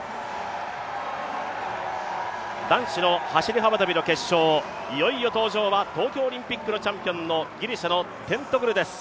男子の走幅跳の決勝、いよいよ登場は東京オリンピックのチャンピオン、ギリシャのテントグルです。